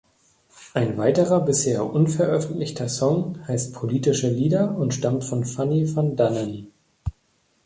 Ein weiterer bisher unveröffentlichter Song heißt "Politische Lieder" und stammt von Funny van Dannen.